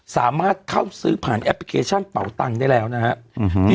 สามารถเข้าซื้อผ่านแอปพลิเคชันเป่าตังค์ได้แล้วนะครับ